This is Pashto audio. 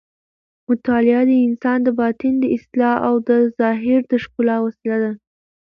مطالعه د انسان د باطن د اصلاح او د ظاهر د ښکلا وسیله ده.